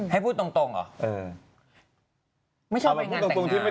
ให้พูดตรงเหรอ